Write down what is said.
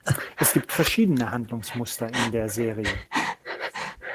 Es gibt verschiedene Handlungsmuster in der Serie.